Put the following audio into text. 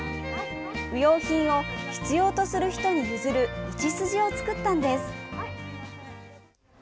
不用品を必要とする人に譲る道筋を作ったんです。